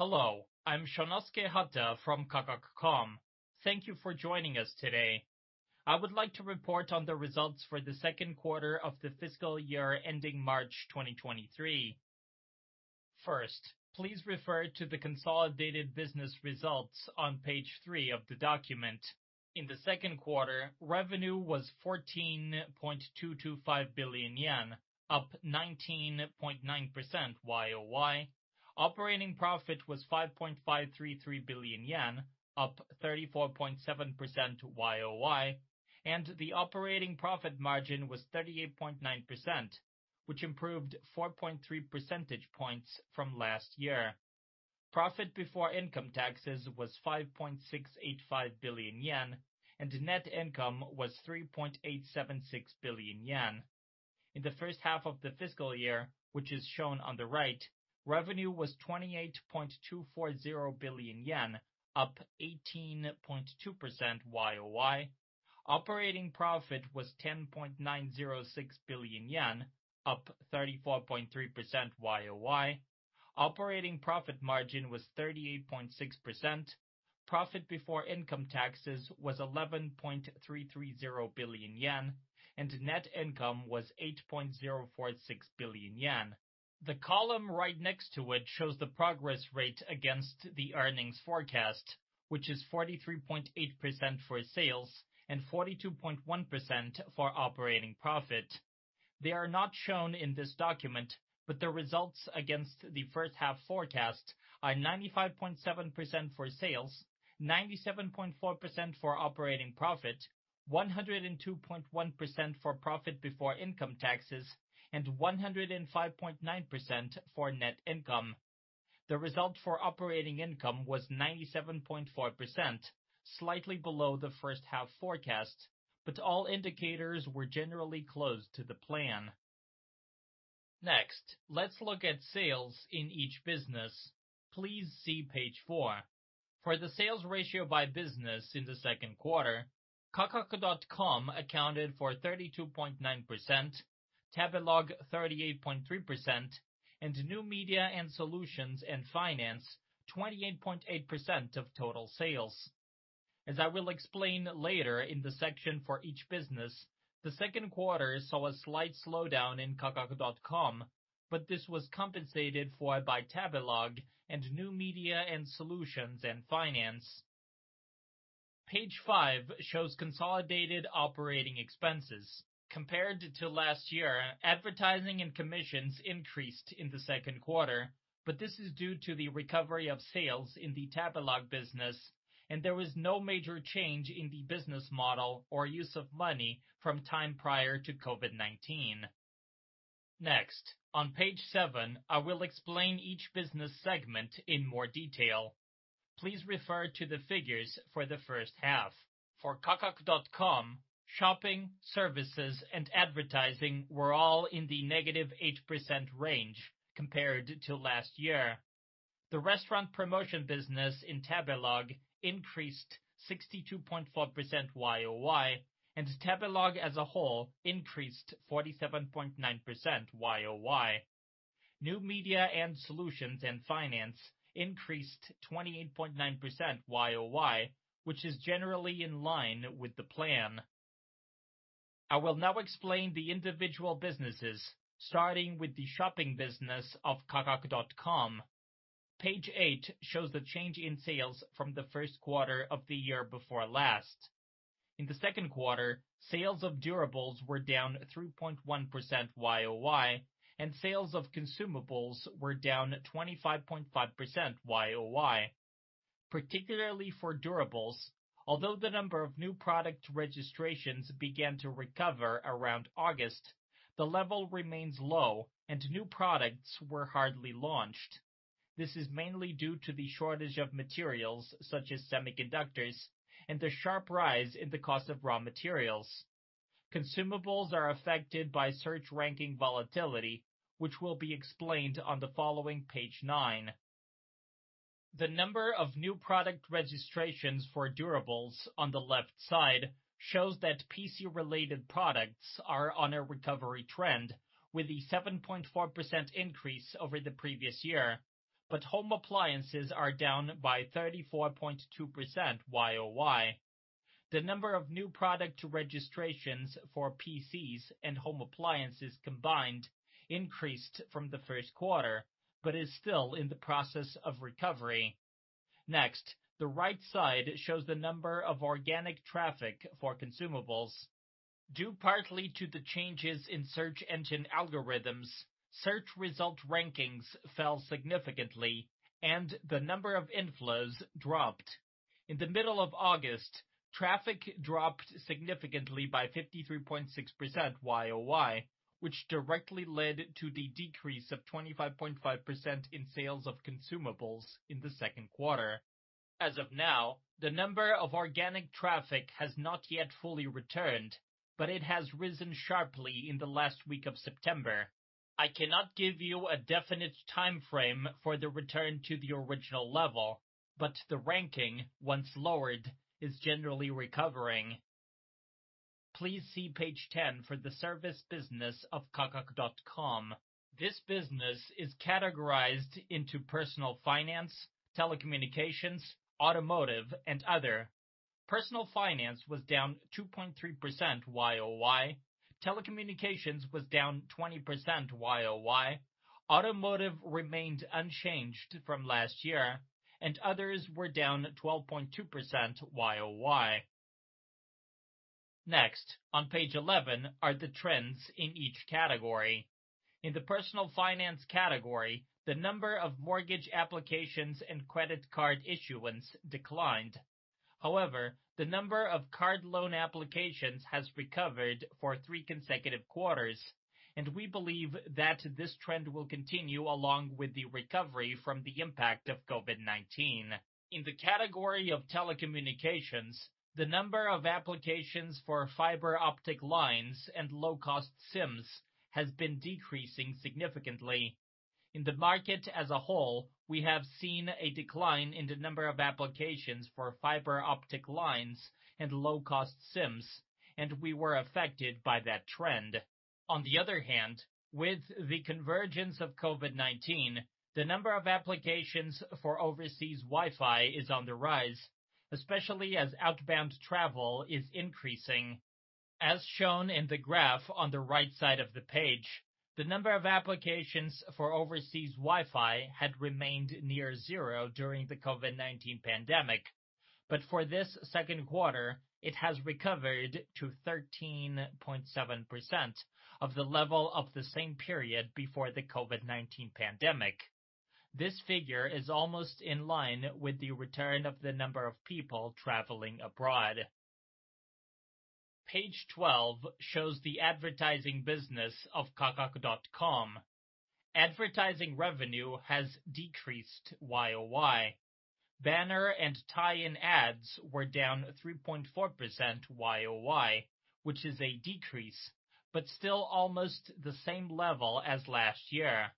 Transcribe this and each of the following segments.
Hello, I'm Shonosuke Hata from Kakaku.com. Thank you for joining us today. I would like to report on the results for the second quarter of the fiscal year ending March 2023. First, please refer to the consolidated business results on page three of the document. In the second quarter, revenue was 14.225 billion yen, up 19.9% YoY. Operating profit was 5.533 billion yen, up 34.7% YoY, and the operating profit margin was 38.9%, which improved 4.3 percentage points from last year. Profit before income taxes was 5.685 billion yen, and net income was 3.876 billion yen. In the first half of the fiscal year, which is shown on the right, revenue was 28.240 billion yen, up 18.2% YoY. Operating profit was 10.906 billion yen, up 34.3% YoY. Operating profit margin was 38.6%. Profit before income taxes was 11.330 billion yen, and net income was 8.046 billion yen. The column right next to it shows the progress rate against the earnings forecast, which is 43.8% for sales and 42.1% for operating profit. They are not shown in this document, but the results against the first half forecast are 95.7% for sales, 97.4% for operating profit, 102.1% for profit before income taxes, and 105.9% for net income. The result for operating income was 97.4%, slightly below the first half forecast, but all indicators were generally close to the plan. Next, let's look at sales in each business. Please see page four. For the sales ratio by business in the second quarter, Kakaku.com accounted for 32.9%, Tabelog 38.3%, and New Media and Solutions and Finance 28.8% of total sales. As I will explain later in the section for each business, the second quarter saw a slight slowdown in Kakaku.com, but this was compensated for by Tabelog and New Media and Solutions and Finance. Page five shows consolidated operating expenses. Compared to last year, advertising and commissions increased in the second quarter, but this is due to the recovery of sales in the Tabelog business, and there was no major change in the business model or use of money from time prior to COVID-19. Next, on page seven, I will explain each business segment in more detail. Please refer to the figures for the first half. For Kakaku.com, shopping, services, and advertising were all in the -8% range compared to last year. The restaurant promotion business in Tabelog increased 62.4% YoY, and Tabelog as a whole increased 47.9% YoY. New Media and Solutions/Finance increased 28.9% YoY, which is generally in line with the plan. I will now explain the individual businesses, starting with the shopping business of Kakaku.com. Page eig shows the change in sales from the first quarter of the year before last. In the second quarter, sales of durables were down 3.1% YoY, and sales of consumables were down 25.5% YoY. Particularly for durables, although the number of new product registrations began to recover around August, the level remains low and new products were hardly launched. This is mainly due to the shortage of materials such as semiconductors and the sharp rise in the cost of raw materials. Consumables are affected by search ranking volatility, which will be explained on the following page nine. The number of new product registrations for durables on the left side shows that PC-related products are on a recovery trend with a 7.4% increase over the previous year, but home appliances are down by 34.2% YoY. The number of new product registrations for PCs and home appliances combined increased from the first quarter, but is still in the process of recovery. Next, the right side shows the number of organic traffic for consumables. Due partly to the changes in search engine algorithms, search result rankings fell significantly and the number of inflows dropped. In the middle of August, traffic dropped significantly by 53.6% YoY, which directly led to the decrease of 25.5% in sales of consumables in the second quarter. As of now, the number of organic traffic has not yet fully returned, but it has risen sharply in the last week of September. I cannot give you a definite timeframe for the return to the original level, but the ranking, once lowered, is generally recovering. Please see page 10 for the service business of Kakaku.com. This business is categorized into personal finance, telecommunications, automotive, and other. Personal finance was down 2.3% YoY. Telecommunications was down 20% YoY. Automotive remained unchanged from last year, and others were down 12.2% YoY. Next, on page 11 are the trends in each category. In the personal finance category, the number of mortgage applications and credit card issuance declined. However, the number of card loan applications has recovered for three consecutive quarters, and we believe that this trend will continue along with the recovery from the impact of COVID-19. In the category of telecommunications, the number of applications for fiber optic lines and low-cost SIMs has been decreasing significantly. In the market as a whole, we have seen a decline in the number of applications for fiber optic lines and low-cost SIMs, and we were affected by that trend. On the other hand, with the convergence of COVID-19, the number of applications for overseas Wi-Fi is on the rise, especially as outbound travel is increasing. As shown in the graph on the right side of the page, the number of applications for overseas Wi-Fi had remained near zero during the COVID-19 pandemic, but for this second quarter, it has recovered to 13.7% of the level of the same period before the COVID-19 pandemic. This figure is almost in line with the return of the number of people traveling abroad. Page 12 shows the advertising business of Kakaku.com. Advertising revenue has decreased YoY. Banner and tie-in ads were down 3.4% YoY, which is a decrease, but still almost the same level as last year.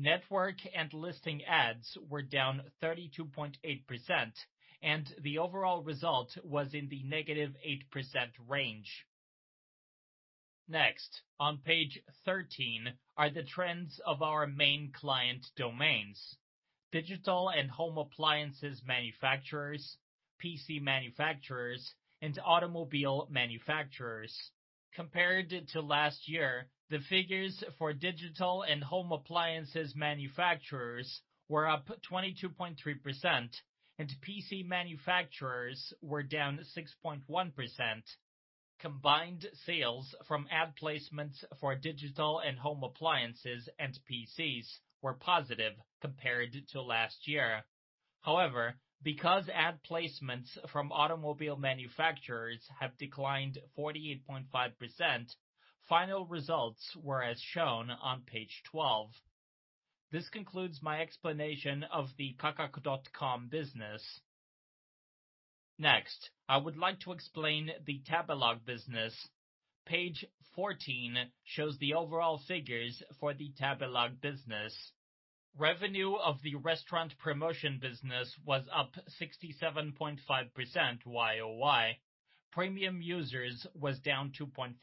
Network and listing ads were down 32.8%, and the overall result was in the -8% range. Next, on page 13 are the trends of our main client domains: digital and home appliances manufacturers, PC manufacturers, and automobile manufacturers. Compared to last year, the figures for digital and home appliances manufacturers were up 22.3%, and PC manufacturers were down 6.1%. Combined sales from ad placements for digital and home appliances and PCs were positive compared to last year. However, because ad placements from automobile manufacturers have declined 48.5%, final results were as shown on page 12. This concludes my explanation of the Kakaku.com business. Next, I would like to explain the Tabelog business. Page 14 shows the overall figures for the Tabelog business. Revenue of the restaurant promotion business was up 67.5% YoY. Premium users was down 2.4%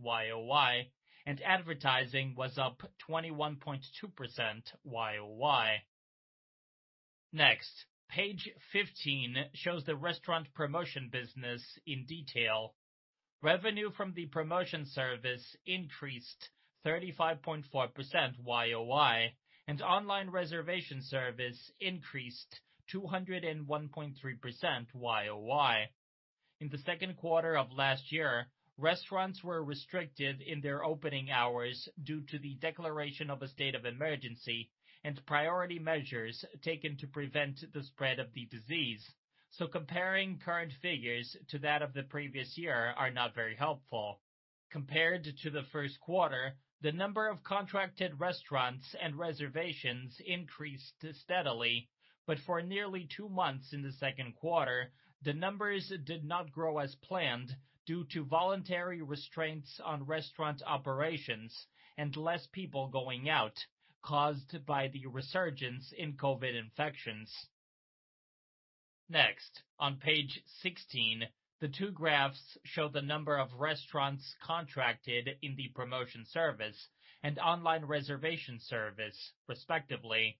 YoY, and advertising was up 21.2% YoY. Next, page 15 shows the restaurant promotion business in detail. Revenue from the promotion service increased 35.4% YoY, and online reservation service increased 201.3% YoY. In the second quarter of last year, restaurants were restricted in their opening hours due to the declaration of a state of emergency and priority measures taken to prevent the spread of the disease, so comparing current figures to that of the previous year are not very helpful. Compared to the first quarter, the number of contracted restaurants and reservations increased steadily, but for nearly two months in the second quarter, the numbers did not grow as planned due to voluntary restraints on restaurant operations and less people going out caused by the resurgence in COVID-19 infections. Next, on page 16, the two graphs show the number of restaurants contracted in the promotion service and online reservation service, respectively.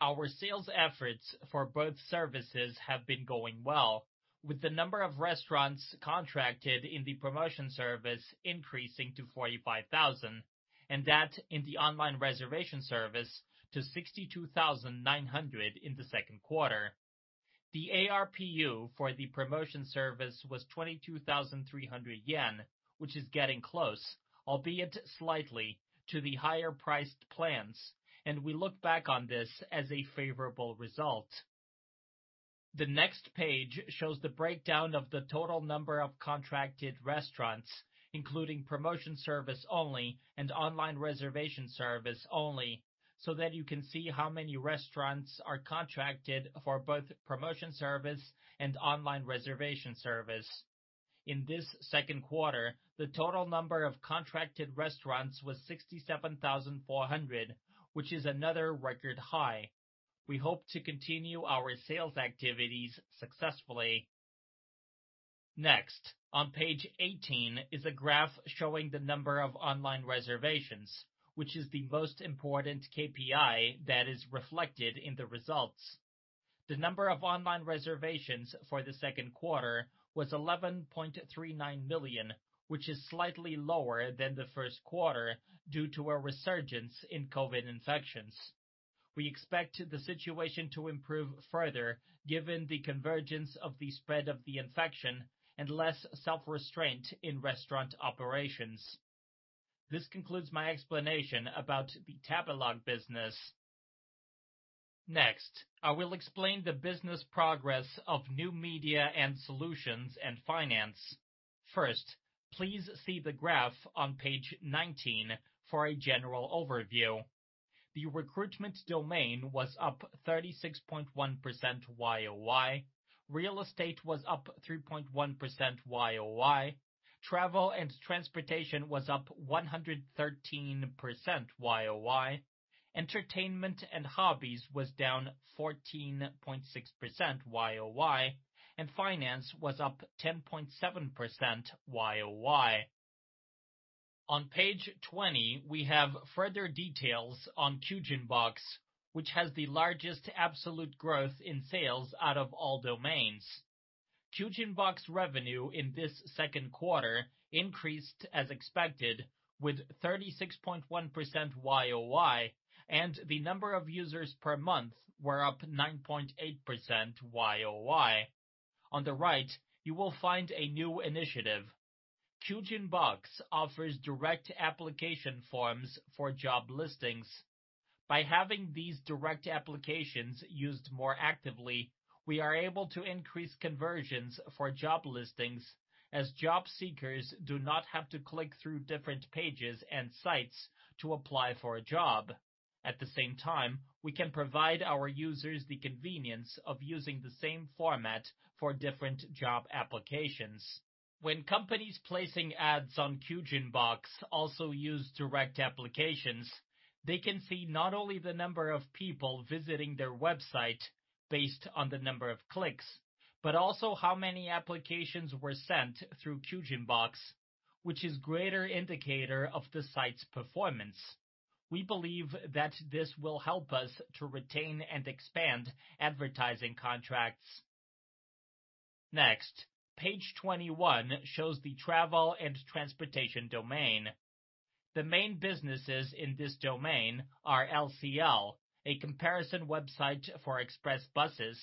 Our sales efforts for both services have been going well, with the number of restaurants contracted in the promotion service increasing to 45,000, and that in the online reservation service to 62,900 in the second quarter. The ARPU for the promotion service was 22,300 yen, which is getting close, albeit slightly, to the higher priced plans, and we look back on this as a favorable result. The next page shows the breakdown of the total number of contracted restaurants, including promotion service only and online reservation service only, so that you can see how many restaurants are contracted for both promotion service and online reservation service. In this second quarter, the total number of contracted restaurants was 67,400, which is another record high. We hope to continue our sales activities successfully. Next, on page 18 is a graph showing the number of online reservations, which is the most important KPI that is reflected in the results. The number of online reservations for the second quarter was 11.39 million, which is slightly lower than the first quarter due to a resurgence in COVID-19 infections. We expect the situation to improve further given the convergence of the spread of the infection and less self-restraint in restaurant operations. This concludes my explanation about the Tabelog business. Next, I will explain the business progress of New Media and Solutions/Finance. First, please see the graph on page 19 for a general overview. The recruitment domain was up 36.1% YoY. Real estate was up 3.1% YoY. Travel and transportation was up 113% YoY. Entertainment and hobbies was down 14.6% YoY, and finance was up 10.7% YoY. On page 20, we have further details on Kyujin Box, which has the largest absolute growth in sales out of all domains. Kyujin Box revenue in this second quarter increased as expected with 36.1% YoY, and the number of users per month were up 9.8% YoY. On the right, you will find a new initiative. Kyujin Box offers direct application forms for job listings. By having these direct applications used more actively, we are able to increase conversions for job listings as job seekers do not have to click through different pages and sites to apply for a job. At the same time, we can provide our users the convenience of using the same format for different job applications. When companies placing ads on Kyujin Box also use direct applications, they can see not only the number of people visiting their website based on the number of clicks, but also how many applications were sent through Kyujin Box, which is greater indicator of the site's performance. We believe that this will help us to retain and expand advertising contracts. Next, page 21 shows the travel and transportation domain. The main businesses in this domain are LCL, a comparison website for express buses,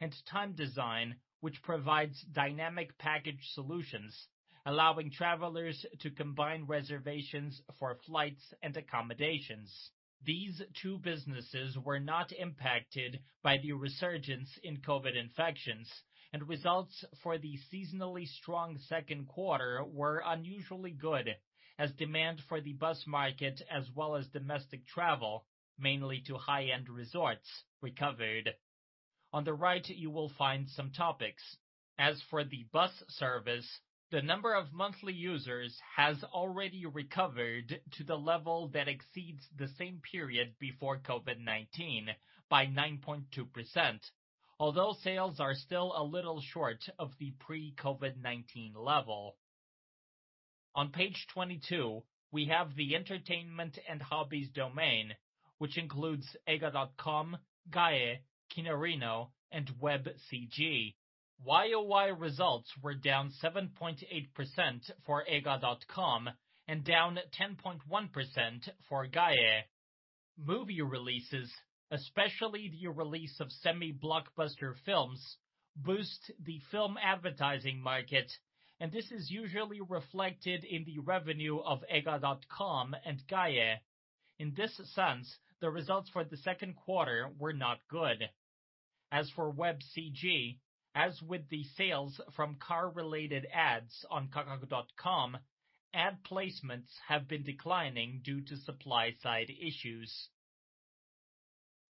and Time Design, which provides dynamic package solutions, allowing travelers to combine reservations for flights and accommodations. These two businesses were not impacted by the resurgence in COVID-19 infections, and results for the seasonally strong second quarter were unusually good as demand for the bus market as well as domestic travel, mainly to high-end resorts, recovered. On the right, you will find some topics. As for the bus service, the number of monthly users has already recovered to the level that exceeds the same period before COVID-19 by 9.2%. Although sales are still a little short of the pre-COVID-19 level. On page 22, we have the entertainment and hobbies domain, which includes eiga.com, GYAO!, Kinarino, and webCG. YoY results were down 7.8% for Eiga.com and down 10.1% for GYAO!. Movie releases, especially the release of semi-blockbuster films, boost the film advertising market, and this is usually reflected in the revenue of eiga.com and GYAO!. In this sense, the results for the second quarter were not good. As for webCG, as with the sales from car-related ads on Kakaku.com, ad placements have been declining due to supply side issues.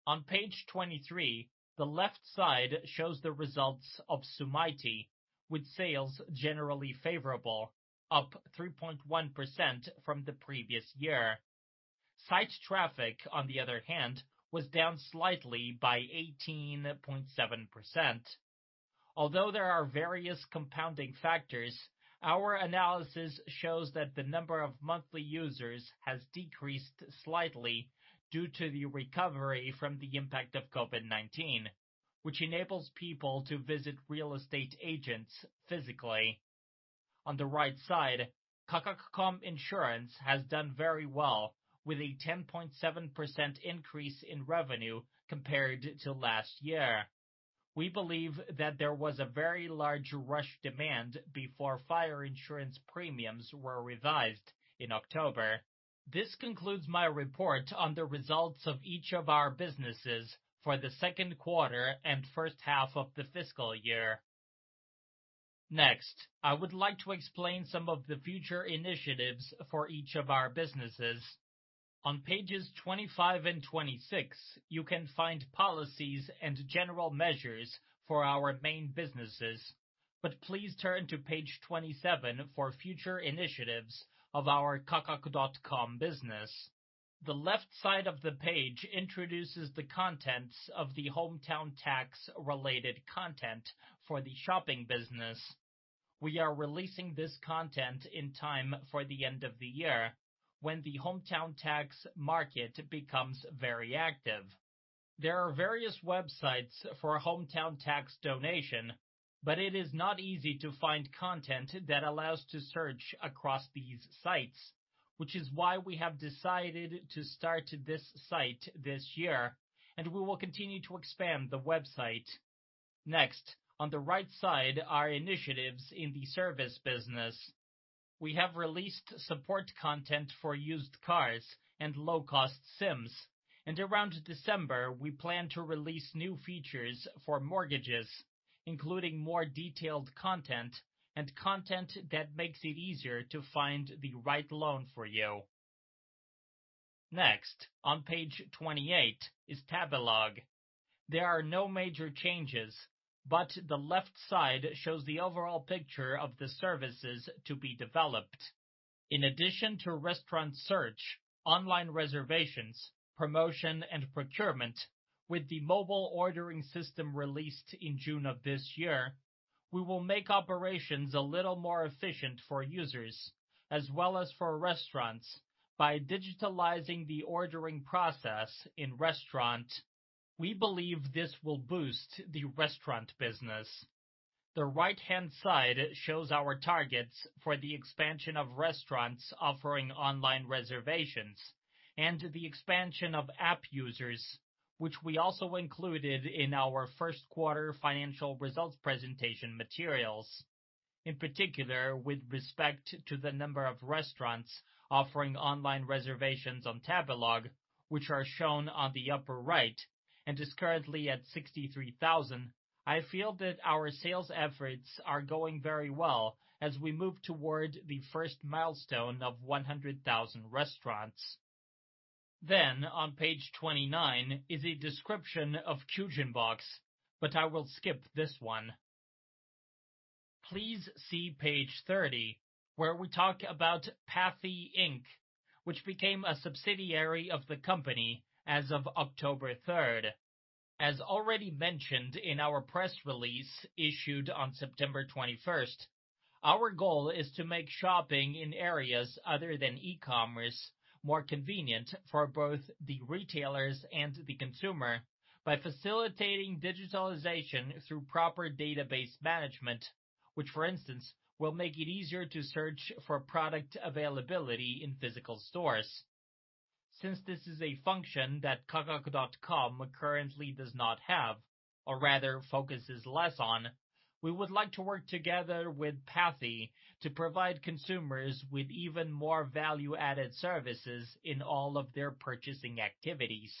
On page 23, the left side shows the results of Sumaity, with sales generally favorable, up 3.1% from the previous year. Site traffic, on the other hand, was down slightly by 18.7%. Although there are various compounding factors, our analysis shows that the number of monthly users has decreased slightly due to the recovery from the impact of COVID-19, which enables people to visit real estate agents physically. On the right side, Kakaku.com Insurance has done very well with a 10.7% increase in revenue compared to last year. We believe that there was a very large rush demand before fire insurance premiums were revised in October. This concludes my report on the results of each of our businesses for the second quarter and first half of the fiscal year. Next, I would like to explain some of the future initiatives for each of our businesses. On pages 25 and 26, you can find policies and general measures for our main businesses. Please turn to page 27 for future initiatives of our Kakaku.com business. The left side of the page introduces the contents of the hometown tax related content for the shopping business. We are releasing this content in time for the end of the year, when the hometown tax market becomes very active. There are various websites for hometown tax donation, but it is not easy to find content that allows to search across these sites, which is why we have decided to start this site this year, and we will continue to expand the website. Next, on the right side are initiatives in the service business. We have released support content for used cars and low-cost SIMs, and around December, we plan to release new features for mortgages, including more detailed content and content that makes it easier to find the right loan for you. Next, on page 28 is Tabelog. There are no major changes, but the left side shows the overall picture of the services to be developed. In addition to restaurant search, online reservations, promotion, and procurement, with the mobile ordering system released in June of this year, we will make operations a little more efficient for users as well as for restaurants by digitalizing the ordering process in restaurants. We believe this will boost the restaurant business. The right-hand side shows our targets for the expansion of restaurants offering online reservations and the expansion of app users, which we also included in our first quarter financial results presentation materials. In particular, with respect to the number of restaurants offering online reservations on Tabelog, which are shown on the upper right and is currently at 63,000, I feel that our sales efforts are going very well as we move toward the first milestone of 100,000 restaurants. On page 29 is a description of Kyujin Box, but I will skip this one. Please see page 30, where we talk about Pathee Inc., which became a subsidiary of the company as of October 3. As already mentioned in our press release issued on September 21, our goal is to make shopping in areas other than e-commerce more convenient for both the retailers and the consumer by facilitating digitalization through proper database management, which, for instance, will make it easier to search for product availability in physical stores. Since this is a function that Kakaku.com currently does not have or rather focuses less on, we would like to work together with Pathee to provide consumers with even more value-added services in all of their purchasing activities.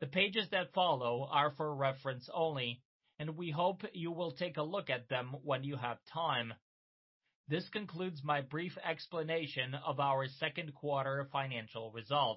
The pages that follow are for reference only, and we hope you will take a look at them when you have time. This concludes my brief explanation of our second quarter financial results.